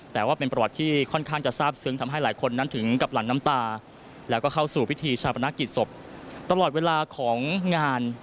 แต่ว่าเป็นประวัติที่ค่อนข้างจะซาบซึ้ง